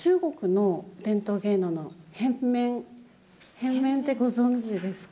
変面ってご存じですか？